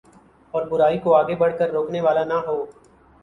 اور برائی کوآگے بڑھ کر روکنے والا نہ ہو